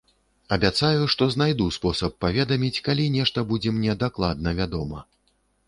Абяцаю, што знайду спосаб паведаміць, калі нешта будзе мне дакладна вядома.